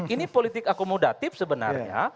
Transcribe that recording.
ini politik akomodatif sebenarnya